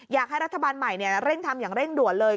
อยากให้รัฐบาลใหม่เร่งทำอย่างเร่งด่วนเลย